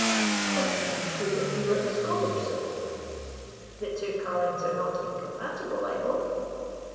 "But I understood that you were a scholar, sir " "The two callings are not incompatible, I hope?"